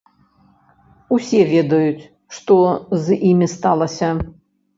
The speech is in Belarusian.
Усе ведаюць, што з імі сталася.